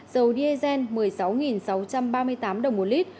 dầu diesel một mươi sáu sáu trăm ba mươi tám đồng một lít